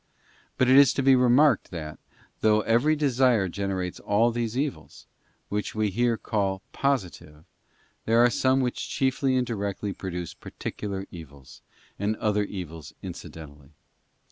But it is to be remarked that, though every desire generates all ScBore tins these evils, which we here call positive, there are some which e.g. (1) Sen chiefly and directly produce particular evils, and other evils incidentally.